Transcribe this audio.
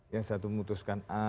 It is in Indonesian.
yang satu memutuskan a